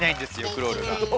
クロールが。